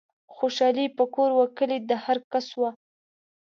خوشحالي په کور و کلي د هرکس وه